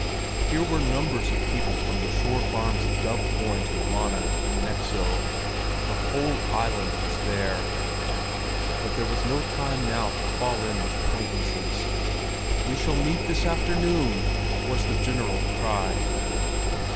Here were numbers of people from the shore farms at Dove Point and Rönne and Neksö—the whole island was there. But there was no time now to fall in with acquaintances. "We shall meet this afternoon!" was the general cry.